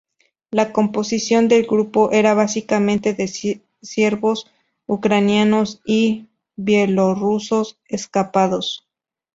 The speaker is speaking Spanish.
La composición del grupo era básicamente de siervos ucranianos y bielorrusos escapados.